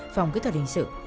phòng kỹ thuật đình sự